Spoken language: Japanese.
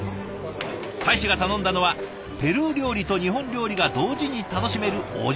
大使が頼んだのはペルー料理と日本料理が同時に楽しめるお重弁当。